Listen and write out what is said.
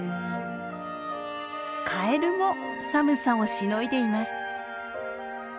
カエルも寒さをしのいでいます。